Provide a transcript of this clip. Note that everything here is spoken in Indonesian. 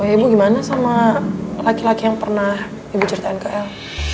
oh iya ibu gimana sama laki laki yang pernah ibu ceritain ke el